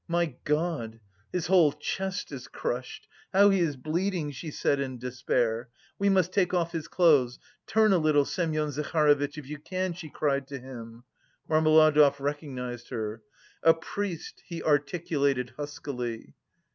"My God! His whole chest is crushed! How he is bleeding," she said in despair. "We must take off his clothes. Turn a little, Semyon Zaharovitch, if you can," she cried to him. Marmeladov recognised her. "A priest," he articulated huskily.